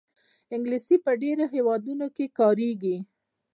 انګلیسي په ډېرو هېوادونو کې کارېږي